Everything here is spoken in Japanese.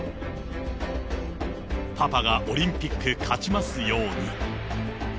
パパがオリンピック勝ちますように。